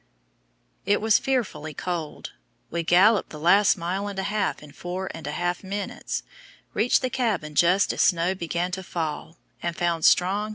It was fearfully cold. We galloped the last mile and a half in four and a half minutes, reached the cabin just as the snow began to fall, and found strong, hot tea ready.